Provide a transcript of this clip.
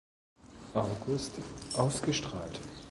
August ausgestrahlt.